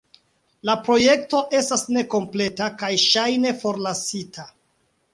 La projekto estas nekompleta kaj ŝajne forlasita.